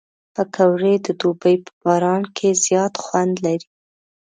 پکورې د دوبي په باران کې زیات خوند لري